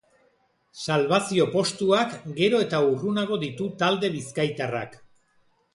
Salbazio postuak gero eta urrunago ditu talde bizkaitarrak.